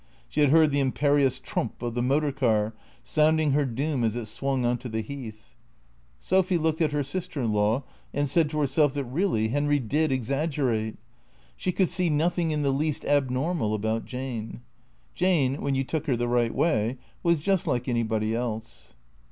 She had heard the imperious trump of the motor car, sounding her doom as it swung on to the Heath. Sophy looked at her sister in law and said to herself that, really, Henry did exaggerate. She could see nothing in the least abnormal about Jane. Jane, when you took her the right way, was just like anybody else.